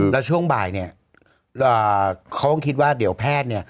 แล้วช่วงบ่ายเขาคงคิดว่าเดี๋ยวแพทย์